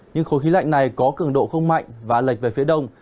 nhưng khối khí lạnh này có cường độ không mạnh và lệch về phía đông